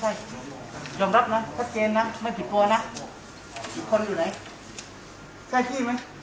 ใช่ยอมรับนะชัดเจนนะไม่ผิดตัวนะทุกคนอยู่ไหนใกล้ที่ไหม